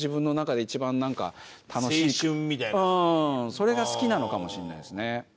それが好きなのかもしんないですね。